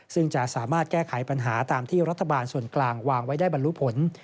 ซึ่งจะสามารถแก้ไขปัญหาตามที่รัฐบาลส่วนกลางวางไว้ได้บรรลุผล